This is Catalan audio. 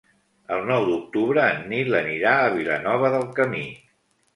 El nou d'octubre en Nil anirà a Vilanova del Camí.